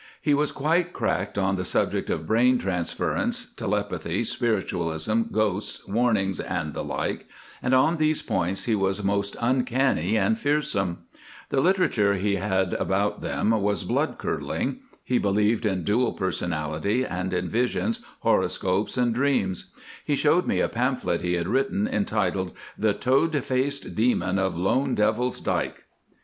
He was quite cracked on the subject of brain transference, telepathy, spiritualism, ghosts, warnings, and the like, and on these points he was most uncanny and fearsome. The literature he had about them was blood curdling. He believed in dual personality, and in visions, horoscopes, and dreams. He showed me a pamphlet he had written, entitled "The Toad faced Demon of Lone Devil's Dyke."